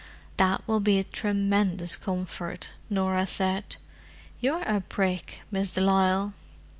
"That will be a tremendous comfort," Norah said. "You're a brick, Miss de Lisle.